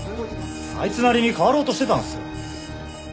あいつなりに変わろうとしてたんすよ。